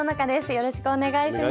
よろしくお願いします。